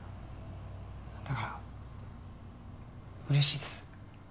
だから嬉しいです。